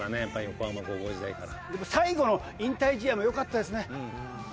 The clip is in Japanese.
最後の引退試合もよかったですね。